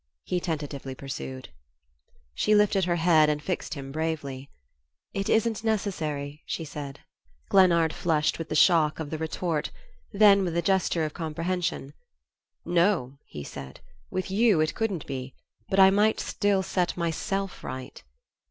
he tentatively pursued. She lifted her head and fixed him bravely. "It isn't necessary," she said. Glennard flushed with the shock of the retort; then, with a gesture of comprehension, "No," he said, "with you it couldn't be; but I might still set myself right."